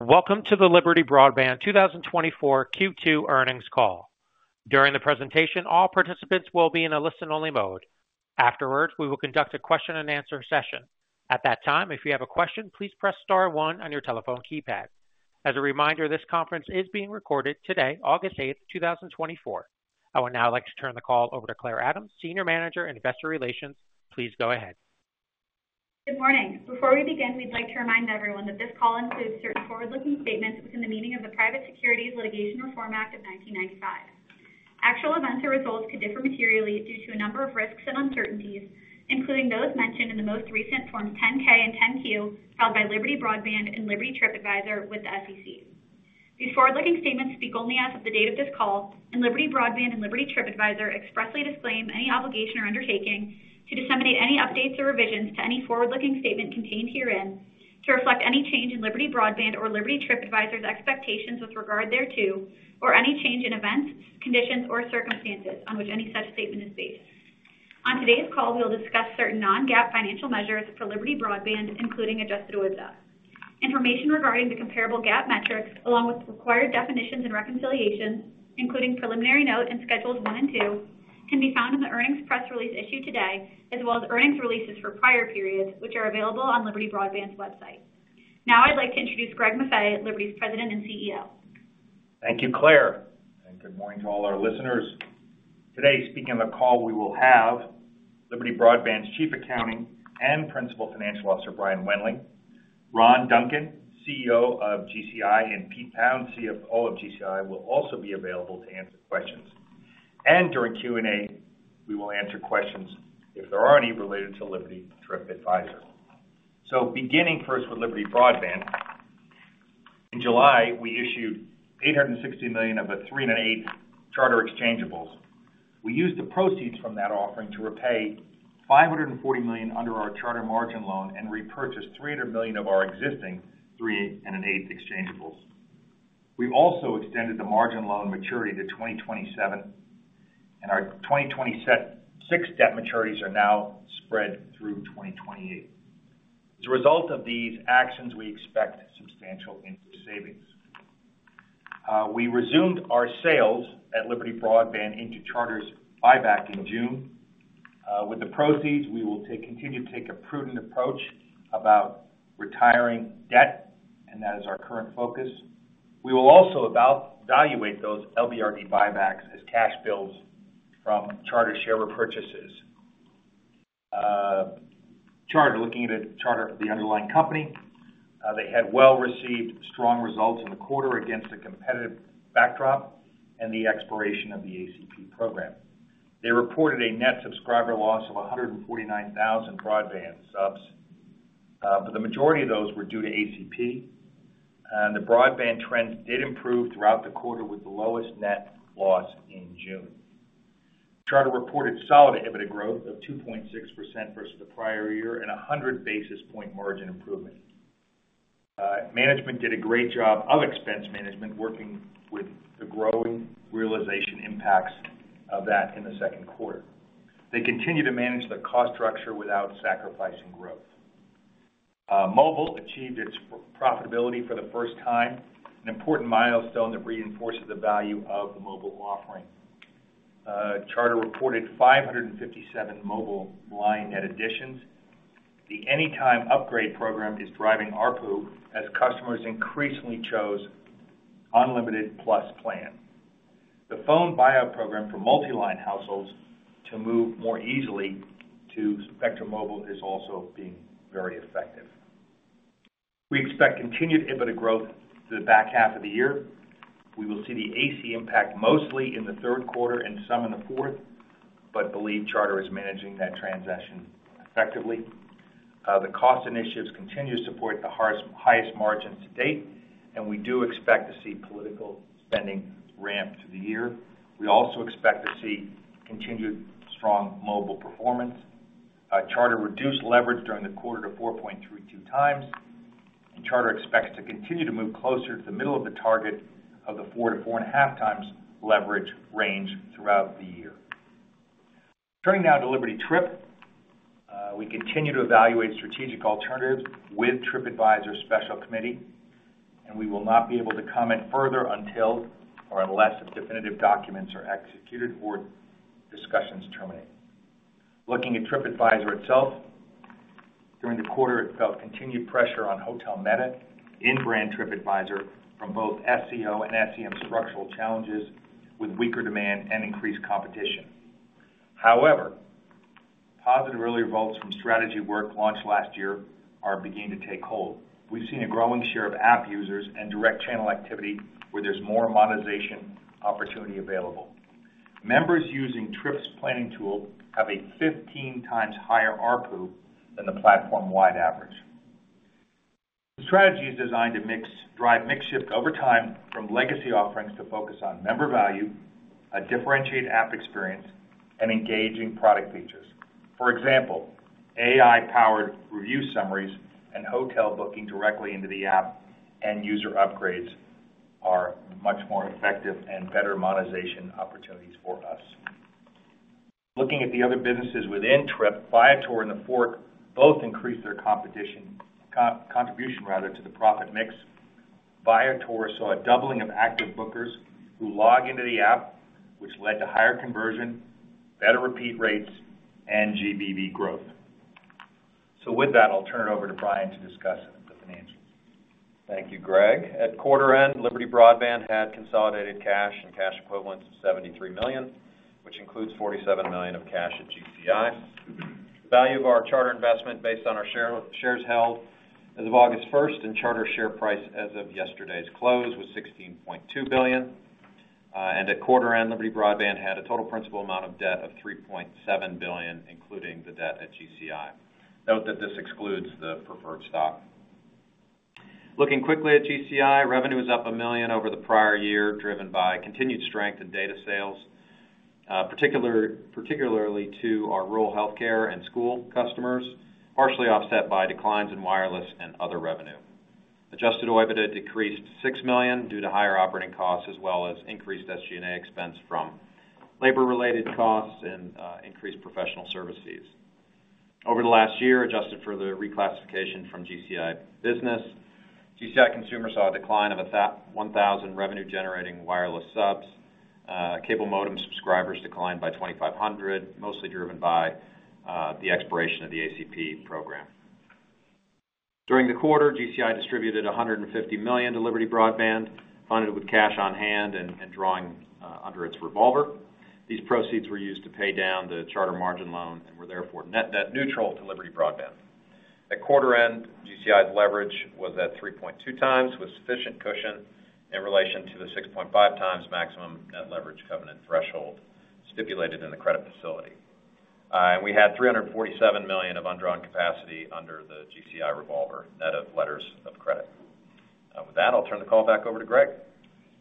Welcome to the Liberty Broadband 2024 Q2 earnings call. During the presentation, all participants will be in a listen-only mode. Afterwards, we will conduct a question-and-answer session. At that time, if you have a question, please press star one on your telephone keypad. As a reminder, this conference is being recorded today, August 8, 2024. I would now like to turn the call over to Clare Adams, Senior Manager, Investor Relations. Please go ahead. Good morning. Before we begin, we'd like to remind everyone that this call includes certain forward-looking statements within the meaning of the Private Securities Litigation Reform Act of 1995. Actual events or results could differ materially due to a number of risks and uncertainties, including those mentioned in the most recent Form 10-K and 10-Q filed by Liberty Broadband and Liberty TripAdvisor with the SEC. These forward-looking statements speak only as of the date of this call, and Liberty Broadband and Liberty TripAdvisor expressly disclaim any obligation or undertaking to disseminate any updates or revisions to any forward-looking statement contained herein to reflect any change in Liberty Broadband or Liberty TripAdvisor's expectations with regard thereto, or any change in events, conditions, or circumstances on which any such statement is based. On today's call, we'll discuss certain non-GAAP financial measures for Liberty Broadband, including Adjusted OIBDA.Information regarding the comparable GAAP metrics, along with required definitions and reconciliations, including preliminary note and schedules one and two, can be found in the earnings press release issued today, as well as earnings releases for prior periods, which are available on Liberty Broadband's website. Now, I'd like to introduce Greg Maffei, Liberty's President and CEO. Thank you, Claire, and good morning to all our listeners. Today, speaking on the call, we will have Liberty Broadband's Chief Accounting and Principal Financial Officer, Brian Wendling. Ron Duncan, CEO of GCI, and Pete Pound, CFO of GCI, will also be available to answer questions. And during Q&A, we will answer questions, if there are any, related to Liberty TripAdvisor. So beginning first with Liberty Broadband. In July, we issued $860 million of the 3.125% Charter exchangeables. We used the proceeds from that offering to repay $540 million under our Charter margin loan and repurchased $300 million of our existing 3.125% exchangeables. We've also extended the margin loan maturity to 2027, and our 2026 debt maturities are now spread through 2028. As a result of these actions, we expect substantial interest savings. We resumed our sales at Liberty Broadband into Charter's buyback in June. With the proceeds, we will continue to take a prudent approach about retiring debt, and that is our current focus. We will also evaluate those LBRD buybacks as cash builds from Charter share repurchases. Charter, looking at Charter, the underlying company, they had well-received strong results in the quarter against a competitive backdrop and the expiration of the ACP program. They reported a net subscriber loss of 149,000 broadband subs, but the majority of those were due to ACP, and the broadband trends did improve throughout the quarter, with the lowest net loss in June. Charter reported solid EBITDA growth of 2.6% versus the prior year and a 100 basis point margin improvement. Management did a great job of expense management, working with the growing realization impacts of that in the second quarter. They continue to manage the cost structure without sacrificing growth. Mobile achieved its profitability for the first time, an important milestone that reinforces the value of the mobile offering. Charter reported 557 mobile line net additions. The Anytime Upgrade program is driving ARPU as customers increasingly chose Unlimited Plus plan. The phone buyout program for multi-line households to move more easily to Spectrum Mobile is also being very effective. We expect continued EBITDA growth to the back half of the year. We will see the ACP impact mostly in the third quarter and some in the fourth, but believe Charter is managing that transaction effectively. The cost initiatives continue to support the highest margins to date, and we do expect to see political spending ramp to the year. We also expect to see continued strong mobile performance. Charter reduced leverage during the quarter to 4.32x, and Charter expects to continue to move closer to the middle of the target of the 4x-4.5x leverage range throughout the year. Turning now to Liberty TripAdvisor. We continue to evaluate strategic alternatives with Tripadvisor Special Committee, and we will not be able to comment further until or unless the definitive documents are executed or discussions terminate. Looking at Tripadvisor itself, during the quarter, it faced continued pressure on hotel metasearch and brand Tripadvisor from both SEO and SEM structural challenges, with weaker demand and increased competition. However, positive early results from strategy work launched last year are beginning to take hold. We've seen a growing share of app users and direct channel activity where there's more monetization opportunity available. Members using Trip's planning tool have a 15x higher ARPU than the platform-wide average. The strategy is designed to drive mix shift over time from legacy offerings to focus on member value, a differentiated app experience, and engaging product features. For example, AI-powered review summaries and hotel booking directly into the app and user upgrades are much more effective and better monetization opportunities for us. Looking at the other businesses within Trip, Viator and TheFork both increased their contribution rather to the profit mix. Viator saw a doubling of active bookers who log into the app, which led to higher conversion, better repeat rates, and GBV growth. So with that, I'll turn it over to Brian to discuss the financials. Thank you, Greg. At quarter end, Liberty Broadband had consolidated cash and cash equivalents of $73 million, which includes $47 million of cash at GCI. The value of our Charter investment, based on our shares held as of August 1, and Charter share price as of yesterday's close, was $16.2 billion. And at quarter end, Liberty Broadband had a total principal amount of debt of $3.7 billion, including the debt at GCI. Note that this excludes the preferred stock. Looking quickly at GCI, revenue is up $1 million over the prior year, driven by continued strength in data sales, particularly to our rural healthcare and school customers, partially offset by declines in wireless and other revenue. Adjusted OIBDA decreased $6 million due to higher operating costs, as well as increased SG&A expense from labor-related costs and increased professional services. Over the last year, adjusted for the reclassification from GCI business, GCI Consumer saw a decline of 1,000 revenue-generating wireless subs. Cable modem subscribers declined by 2,500, mostly driven by the expiration of the ACP program. During the quarter, GCI distributed $150 million to Liberty Broadband, funded with cash on hand and drawing under its revolver. These proceeds were used to pay down the charter margin loan and were therefore net neutral to Liberty Broadband. At quarter end, GCI's leverage was at 3.2x, with sufficient cushion in relation to the 6.5x maximum net leverage covenant threshold stipulated in the credit facility. And we had $347 million of undrawn capacity under the GCI revolver, net of letters of credit. With that, I'll turn the call back over to Greg.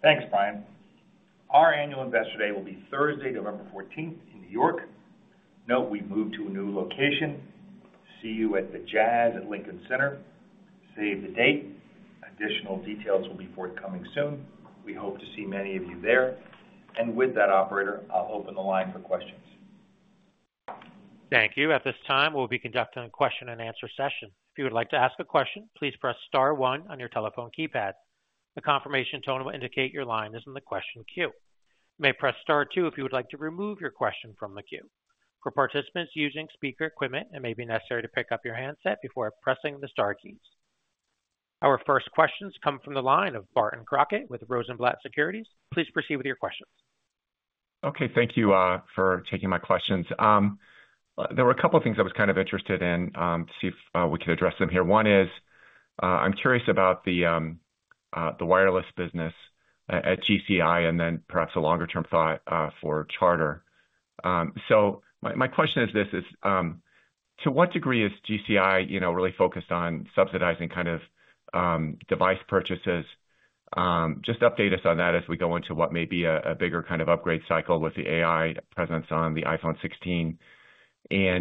Thanks, Brian. Our Annual Investor Day will be Thursday, November 14, in New York. Note we moved to a new location. See you at the Jazz at Lincoln Center. Save the date. Additional details will be forthcoming soon. We hope to see many of you there, and with that operator, I'll open the line for questions. Thank you. At this time, we'll be conducting a question-and-answer session. If you would like to ask a question, please press star one on your telephone keypad. A confirmation tone will indicate your line is in the question queue. You may press Star two if you would like to remove your question from the queue. For participants using speaker equipment, it may be necessary to pick up your handset before pressing the star keys. Our first questions come from the line of Barton Crockett with Rosenblatt Securities. Please proceed with your questions. Okay, thank you for taking my questions. There were a couple of things I was kind of interested in, to see if we could address them here. One is, I'm curious about the wireless business at GCI and then perhaps a longer-term thought for Charter. So my question is this: to what degree is GCI, you know, really focused on subsidizing kind of device purchases? Just update us on that as we go into what may be a bigger kind of upgrade cycle with the AI presence on the iPhone 16. You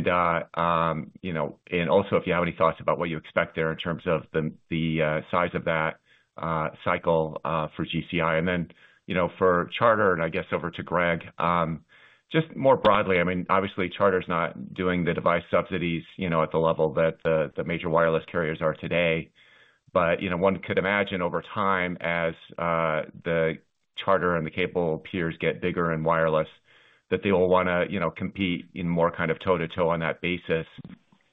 know, and also, if you have any thoughts about what you expect there in terms of the size of that cycle for GCI, and then, you know, for Charter, and I guess over to Greg. Just more broadly, I mean, obviously, Charter's not doing the device subsidies, you know, at the level that the major wireless carriers are today. But, you know, one could imagine over time, as the Charter and the cable peers get bigger in wireless, that they will want to, you know, compete in more kind of toe-to-toe on that basis.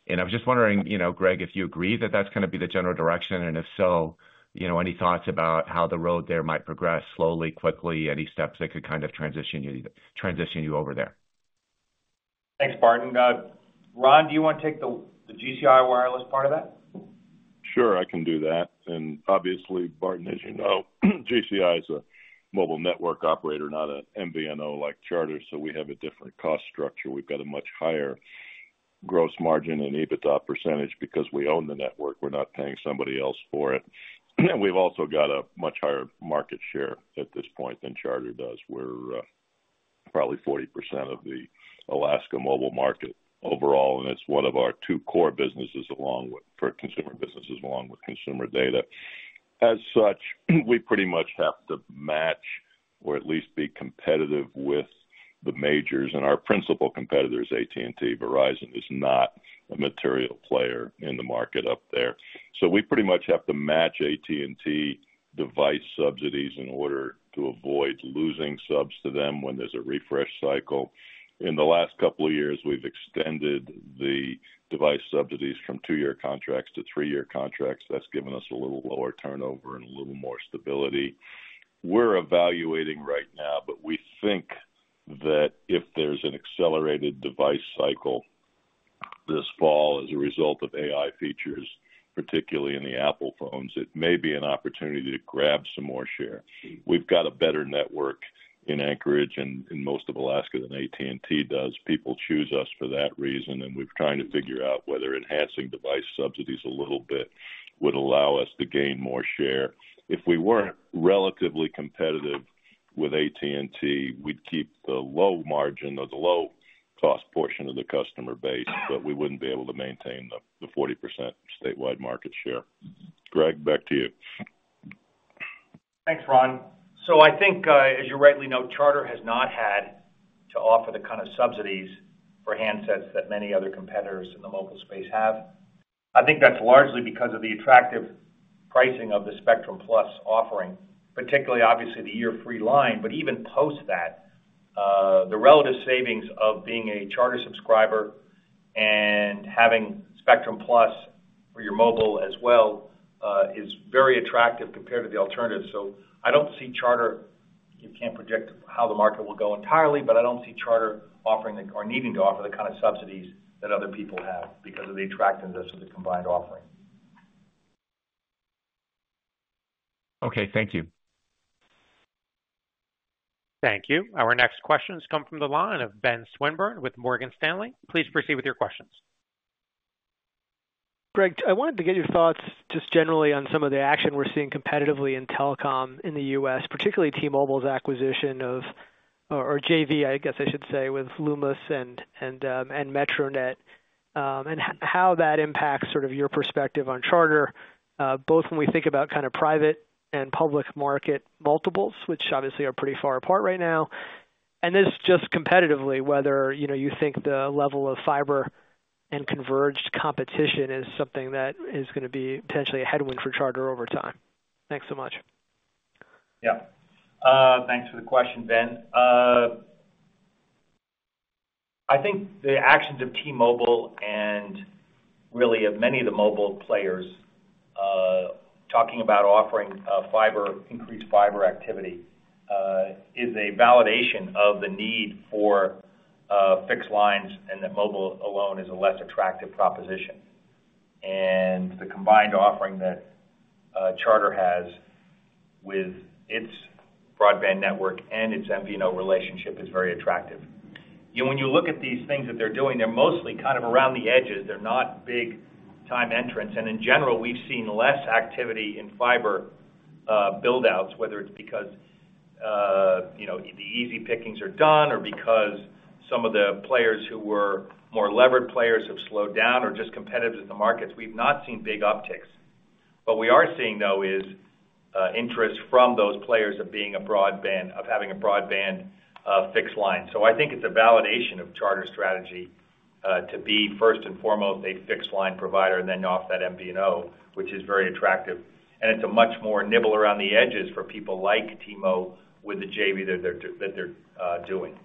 And I was just wondering, you know, Greg, if you agree that that's going to be the general direction, and if so, you know, any thoughts about how the road there might progress? Slowly, quickly, any steps that could kind of transition you, transition you over there. Thanks, Barton. Ron, do you want to take the GCI wireless part of that? Sure, I can do that. And obviously, Barton, as you know, GCI is a mobile network operator, not an MVNO like Charter, so we have a different cost structure. We've got a much higher gross margin and EBITDA percentage because we own the network. We're not paying somebody else for it. And we've also got a much higher market share at this point than Charter does. We're probably 40% of the Alaska mobile market overall, and it's one of our two core businesses, along with... For consumer businesses, along with consumer data. As such, we pretty much have to match or at least be competitive with the majors, and our principal competitor is AT&T. Verizon is not a material player in the market up there. So we pretty much have to match AT&T device subsidies in order to avoid losing subs to them when there's a refresh cycle. In the last couple of years, we've extended the device subsidies from 2-year contracts to 3-year contracts. That's given us a little lower turnover and a little more stability. We're evaluating right now, but we think that if there's an accelerated device cycle this fall as a result of AI features, particularly in the Apple phones, it may be an opportunity to grab some more share. We've got a better network in Anchorage and in most of Alaska than AT&T does. People choose us for that reason, and we're trying to figure out whether enhancing device subsidies a little bit would allow us to gain more share. If we weren't relatively competitive with AT&T, we'd keep the low margin or the low-cost portion of the customer base, but we wouldn't be able to maintain the, the 40% statewide market share. Greg, back to you. Thanks, Ron. So I think, as you rightly note, Charter has not had to offer the kind of subsidies for handsets that many other competitors in the mobile space have. I think that's largely because of the attractive pricing of the Spectrum Plus offering, particularly obviously the year free line, but even post that, the relative savings of being a Charter subscriber and having Spectrum Plus for your mobile as well, is very attractive compared to the alternative. So I don't see Charter, you can't predict how the market will go entirely, but I don't see Charter offering or needing to offer the kind of subsidies that other people have because of the attractiveness of the combined offering. Okay, thank you. Thank you. Our next question has come from the line of Ben Swinburne with Morgan Stanley. Please proceed with your questions. Greg, I wanted to get your thoughts just generally on some of the action we're seeing competitively in telecom in the U.S., particularly T-Mobile's acquisition of, or JV, I guess I should say, with Lumos and Metronet, and how that impacts sort of your perspective on Charter, both when we think about kind of private and public market multiples, which obviously are pretty far apart right now. And then just competitively, whether, you know, you think the level of fiber and converged competition is something that is gonna be potentially a headwind for Charter over time. Thanks so much. Yeah. Thanks for the question, Ben. I think the actions of T-Mobile and really of many of the mobile players, talking about offering fiber, increased fiber activity, is a validation of the need for fixed lines, and that mobile alone is a less attractive proposition. The combined offering that Charter has with its broadband network and its MVNO relationship is very attractive. You know, when you look at these things that they're doing, they're mostly kind of around the edges. They're not big-time entrants, and in general, we've seen less activity in fiber build-outs, whether it's because you know, the easy pickings are done or because some of the players who were more levered players have slowed down or just competitive with the markets. We've not seen big upticks. What we are seeing, though, is interest from those players of being a broadband, of having a broadband, fixed line. So I think it's a validation of Charter's strategy to be first and foremost a fixed line provider and then off that MVNO, which is very attractive. And it's a much more nibble around the edges for people like T-Mo with the JV that they're doing.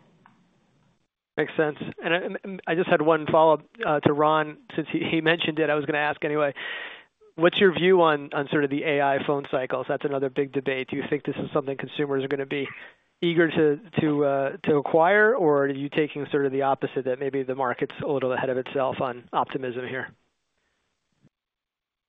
Makes sense. And I just had one follow-up to Ron, since he mentioned it. I was gonna ask anyway, what's your view on sort of the AI phone cycles? That's another big debate. Do you think this is something consumers are gonna be eager to acquire, or are you taking sort of the opposite, that maybe the market's a little ahead of itself on optimism here?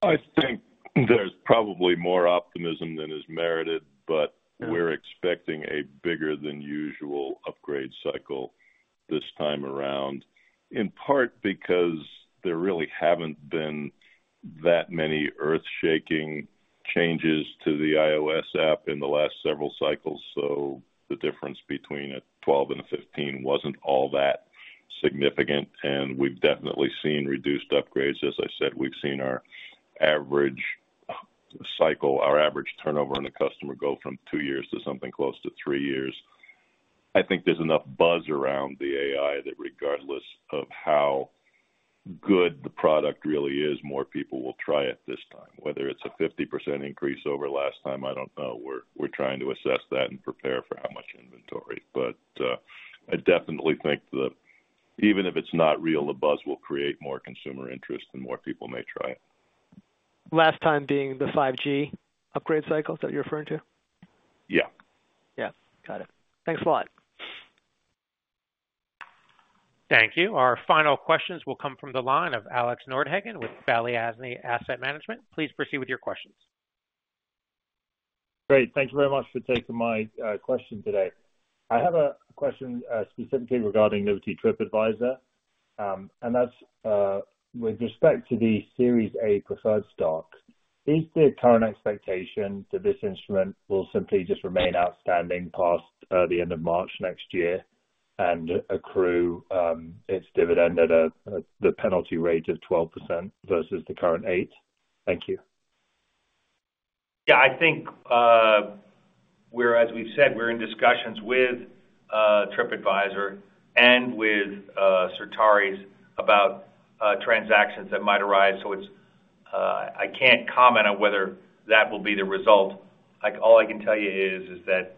I think there's probably more optimism than is merited, but we're expecting a bigger than usual upgrade cycle this time around, in part because there really haven't been that many earthshaking changes to the iOS app in the last several cycles. So the difference between a 12 and a 15 wasn't all that significant, and we've definitely seen reduced upgrades. As I said, we've seen our average cycle, our average turnover on a customer go from 2 years to something close to 3 years. I think there's enough buzz around the AI that regardless of how good the product really is, more people will try it this time. Whether it's a 50% increase over last time, I don't know. We're, we're trying to assess that and prepare for how much inventory. I definitely think that even if it's not real, the buzz will create more consumer interest and more people may try it. Last time being the 5G upgrade cycle that you're referring to? Yeah. Yeah. Got it. Thanks a lot. Thank you. Our final questions will come from the line of Alex Nordhagen with Balyasny Asset Management. Please proceed with your questions. Great. Thank you very much for taking my question today. I have a question, specifically regarding Liberty TripAdvisor, and that's, with respect to the Series A preferred stock, is the current expectation that this instrument will simply just remain outstanding past, the end of March next year and accrue its dividend at the penalty rate of 12% versus the current 8%? Thank you. Yeah, I think, we're as we've said, we're in discussions with, Tripadvisor and with, Certares about, transactions that might arise. So it's... I can't comment on whether that will be the result. Like, all I can tell you is that,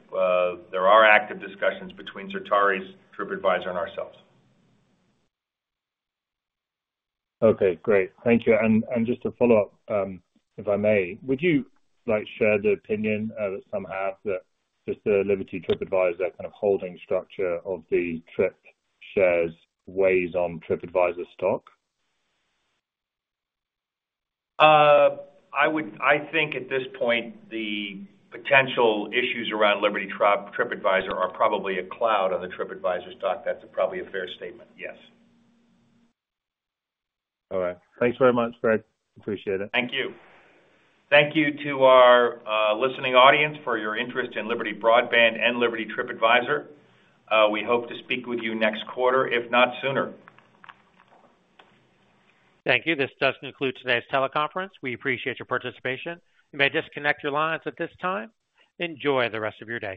there are active discussions between Certares, Tripadvisor and ourselves. Okay, great. Thank you. And just to follow up, if I may, would you like share the opinion that some have, that the Liberty TripAdvisor kind of holding structure of the Trip shares weighs on Tripadvisor stock? I would—I think at this point, the potential issues around Liberty TripAdvisor are probably a cloud on the Tripadvisor stock. That's probably a fair statement, yes. All right. Thanks very much, Greg. Appreciate it. Thank you. Thank you to our listening audience for your interest in Liberty Broadband and Liberty TripAdvisor. We hope to speak with you next quarter, if not sooner. Thank you. This does conclude today's teleconference. We appreciate your participation. You may disconnect your lines at this time. Enjoy the rest of your day.